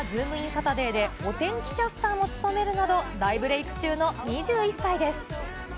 サタデーでお天気キャスターも務めるなど、大ブレーク中の２１歳です。